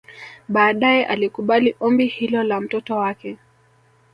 Baadaye alikubali ombi hilo la mtoto wake